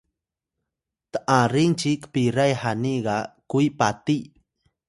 t’aring ci kpiray hani ga kwi pati